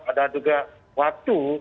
ada juga waktu